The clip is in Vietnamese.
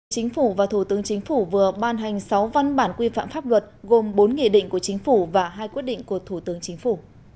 chính phủ và thủ tướng chính phủ vừa ban hành sáu văn bản quy phạm pháp luật gồm bốn nghị định của chính phủ và hai quyết định của thủ tướng chính phủ